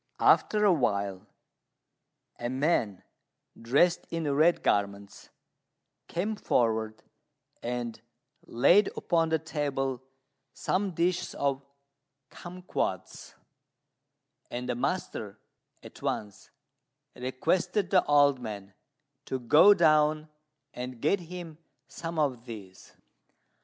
After awhile a man dressed in red garments came forward and laid upon the table some dishes of cumquats; and the master at once requested the old man to go down and get him some of these.